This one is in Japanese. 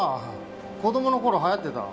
子供の頃流行ってた。